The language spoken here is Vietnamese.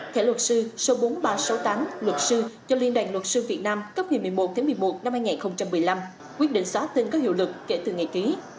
thẻ luật sư số bốn nghìn ba trăm sáu mươi tám luật sư cho liên đoàn luật sư việt nam cấp ngày một mươi một tháng một mươi một năm hai nghìn một mươi năm quyết định xóa tên có hiệu lực kể từ ngày ký